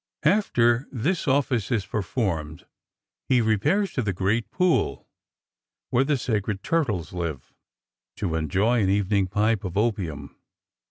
After this office is performed he repairs to the great pool, where the sacred turtles live, to enjoy an evening pipe of opium.